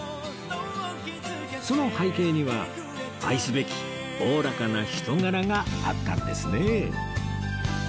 その背景には愛すべきおおらかな人柄があったんですね